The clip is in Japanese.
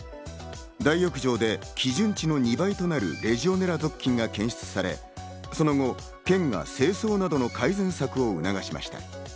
大浴場で基準値の２倍となるレジオネラ属菌が検出され、その後、県が清掃などの改善策を促しました。